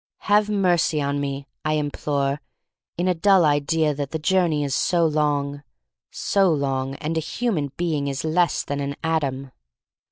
Have mercy on me, I im plore in a dull idea that the journey is so long — so long, and a human being is less than an atom.